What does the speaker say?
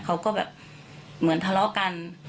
เขาก็แบบเหมือนทะเลาะกัน